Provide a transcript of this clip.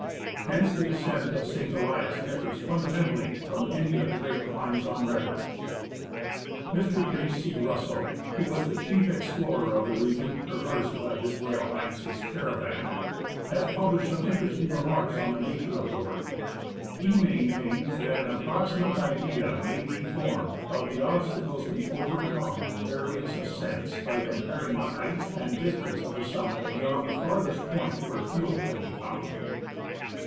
Hence, the ascent of St. Elias differs fundamentally from any of the great climbs on record. vi PREFACE Mr. J. C. Russell, who was the chief explorer of the region traversed by H.R. H.'s caravan, has published some interesting remarks on the nature of the work. ^ He maintains that an ap proximate idea may be formed of the obstacles to be overcome in various ascents by comparing the height and distance of the summit beyond the farthest point where fuel can be found.